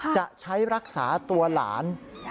จะใช้รักษาตัวหลาน